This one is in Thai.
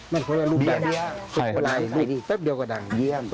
มันจะเป็นลูกแบบนี้ฮะโต๊กลายนี่เพิ่มเดียวกับดั่งเยี่ยม